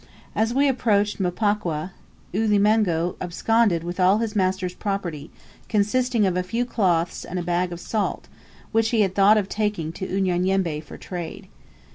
As we approached Mpokwa, Ulimengo absconded with all his master's property, consisting of a few cloths and a bag of salt, which he had thought of taking to Unyanyembe for trade.